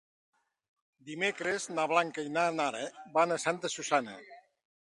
Dimecres na Blanca i na Nara van a Santa Susanna.